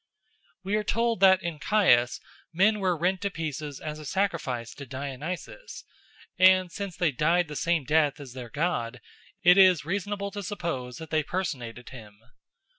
We are told that in Chios men were rent in pieces as a sacrifice to Dionysus; and since they died the same death as their god, it is reasonable to suppose that they personated him.